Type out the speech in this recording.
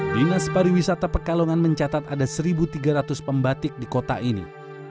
dinas pariwisata pekalongan mencatat ada satu tiga ratus pembatik di kota ini